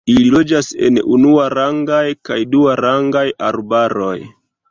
Ili loĝas en unuarangaj kaj duarangaj arbaroj.